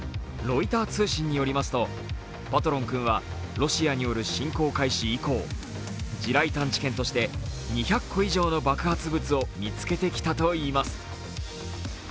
ロイター通信によりますとパトロン君はロシアによる侵攻開始以降、地雷探知犬として２００個以上の爆発物を見つけてきたといいます。